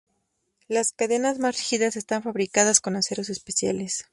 Las cadenas más rígidas están fabricadas con aceros especiales.